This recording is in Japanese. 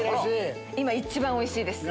今一番おいしいです。